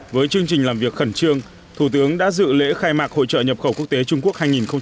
với chương trình làm việc khẩn trương thủ tướng đã dự lễ khai mạc hội trợ nhập khẩu quốc tế trung quốc hai nghìn hai mươi